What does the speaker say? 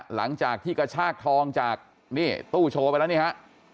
หลังจากที่กระชากทองจากนี่ตู้โชว์ไปแล้วนี่ฮะ